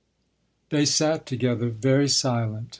They sat together, very silent.